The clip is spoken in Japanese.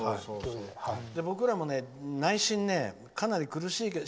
僕らも、内心ねかなり苦しいなと。